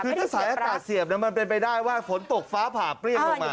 คือถ้าสายอากาศเสียบมันเป็นไปได้ว่าฝนตกฟ้าผ่าเปรี้ยงลงมา